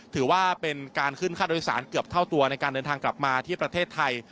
ถือว่าเป็นการขึ้นค่าโดยสารเกือบเท่าตัวในการเดินทางกลับมาที่ประเทศไทย